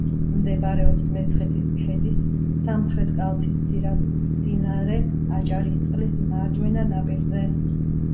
მდებარეობს მესხეთის ქედის სამხრეთი კალთის ძირას, მდინარე აჭარისწყლის მარჯვენა ნაპირზე.